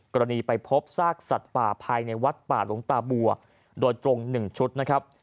ไปพบซากสัตว์ป่าภายในวัดป่าหลวงตาบัวโดยตรง๑ชุดนะครับ